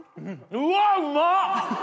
うわうまっ！